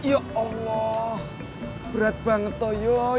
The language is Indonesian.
ya allah berat banget toyo